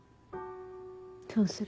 そうする。